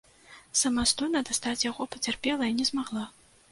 Самастойна дастаць яго пацярпелая не змагла.